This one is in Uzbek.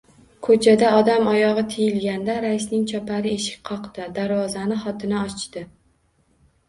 Ko‘chada odam oyog‘i tiyilganda raisning chopari eshik qoqdi. Darvozani xotini ochdi…